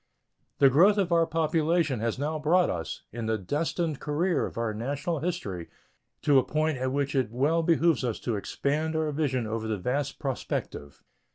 The growth of our population has now brought us, in the destined career of our national history, to a point at which it well behooves us to expand our vision over the vast prospective.